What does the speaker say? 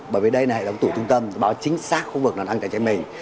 bởi vì đây là hệ tổng tủ trung tâm bảo chính xác khu vực nó đang cháy cháy mình